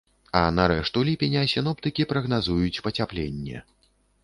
А на рэшту ліпеня сіноптыкі прагназуюць пацяпленне.